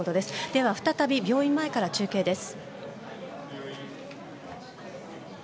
では再び病院前から中継です。